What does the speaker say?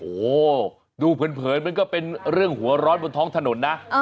โอ้โหดูเผินมันก็เป็นเรื่องหัวร้อนบนท้องถนนนะ